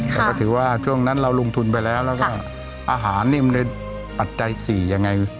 แต่ก็ถือว่าช่วงนั้นเราลงทุนไปแล้วแล้วก็อาหารนี่มันเลยปัจจัย๔ยังไง